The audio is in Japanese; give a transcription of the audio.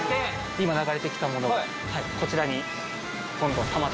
今流れて来たものがこちらに。